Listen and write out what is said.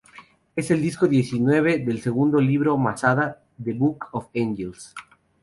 Es el disco diecinueve del segundo libro Masada, ""The Book of Angels"".